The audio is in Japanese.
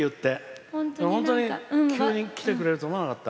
本当に急に来てくれるとは思わなかった。